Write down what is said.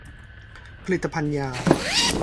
ผลิตภัณฑ์ยา